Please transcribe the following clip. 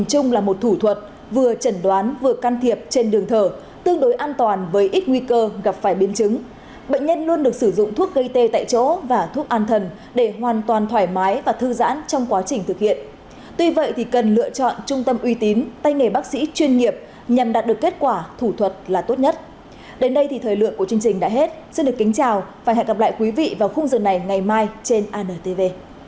chương trình đã hết xin được kính chào và hẹn gặp lại quý vị vào khung dường này ngày mai trên antv